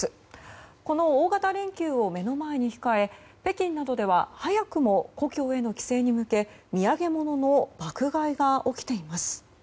この大型連休を目の前に控え北京などでは早くも故郷への帰省に向け土産物の爆買いが起きています。